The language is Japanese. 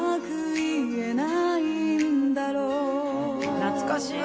懐かしい！